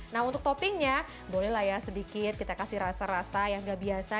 nah untuk toppingnya bolehlah ya sedikit kita kasih rasa rasa yang gak biasa